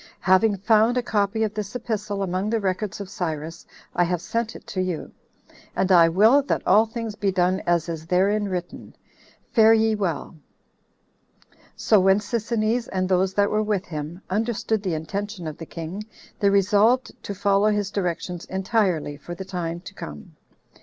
Having found a copy of this epistle among the records of Cyrus, I have sent it you; and I will that all things be done as is therein written. Fare ye well." So when Sisinnes, and those that were with him, understood the intention of the king, they resolved to follow his directions entirely for the time to come.